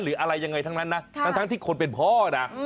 หรืออะไรยังไงทั้งนั้นนะทั้งที่คนเป็นพ่อนะ